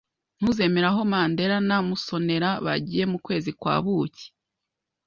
Ntuzemera aho Mandera na Musonera bagiye mu kwezi kwa buki.